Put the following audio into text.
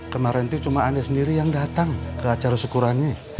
kemarin itu cuma anda sendiri yang datang ke acara syukurannya